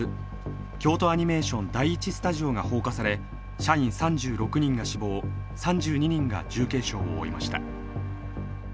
京都アニメーション第１スタジオが放火され、社員３６人が死亡、３２人が重軽傷を負いました。